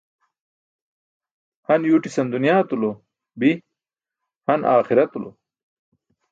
Han yuwṭisan dunyaatulo bi, han aaxiratulo.